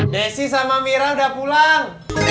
desi sama mira udah pulang